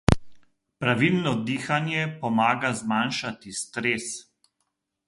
Pravilno dihanje pomaga zmanjšati stres.